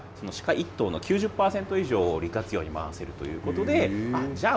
１頭の９０％以上を利活用に回せるということでじゃあ